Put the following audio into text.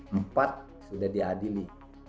empat sudah diadili